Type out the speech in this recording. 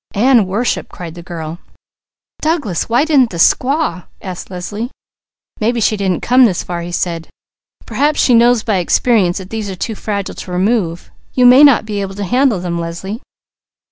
"And worshipped!" cried the girl. "Douglas, why didn't the squaw ?" asked Leslie. "Maybe she didn't come this far," he said. "Perhaps she knows by experience that these are too fragile to remove. You may not be able to handle them, Leslie."